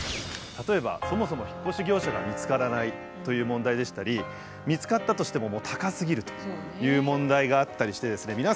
例えばそもそも引っ越し業者が見つからないという問題でしたり見つかったとしても高すぎるという問題があったりしてですね